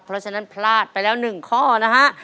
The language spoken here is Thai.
เพราะฉะนั้นพลาดไปแล้ว๑ข้อนะฮะ